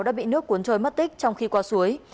đã bị nước cuốn trôi mất tích trong khi qua suối